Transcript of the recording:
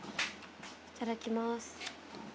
いただきます。